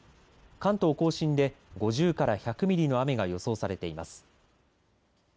関東甲信で５０から１００ミリの雨が予想されています。